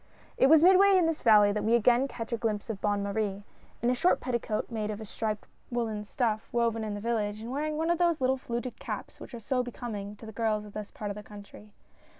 It was midway in this valley that we again catch a glimpse of Bonne Marie — in a short petticoat, made of a striped woolen stuff woven in the village, and wear ing one of those little fluted caps which are so becoming to the girls of this part of the country.